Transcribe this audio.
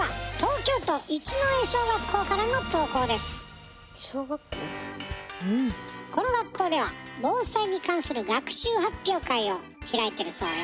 続いてはこの学校では防災に関する学習発表会を開いてるそうよ。